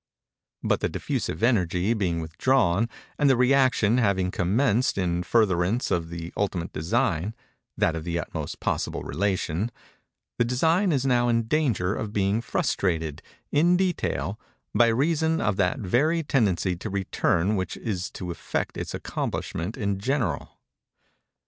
But the diffusive energy being withdrawn, and the rëaction having commenced in furtherance of the ultimate design—that of the utmost possible Relation—this design is now in danger of being frustrated, in detail, by reason of that very tendency to return which is to effect its accomplishment in general.